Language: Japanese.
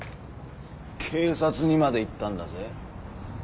警察にまで行ったんだぜ。